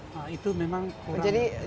nah itu memang orang yang